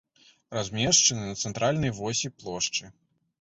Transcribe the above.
Размешчаны на цэнтральнай восі плошчы.